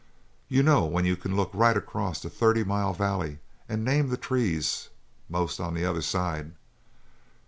You know when you can look right across a thirty mile valley and name the trees, a'most the other side?